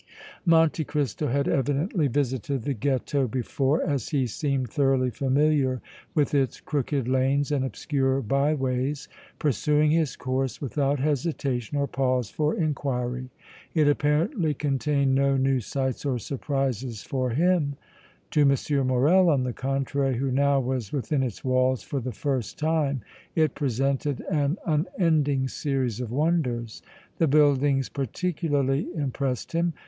Monte Cristo had evidently visited the Ghetto before, as he seemed thoroughly familiar with its crooked lanes and obscure byways, pursuing his course without hesitation or pause for inquiry. It apparently contained no new sights or surprises for him. To M. Morrel, on the contrary, who now was within its walls for the first time, it presented an unending series of wonders. The buildings particularly impressed him.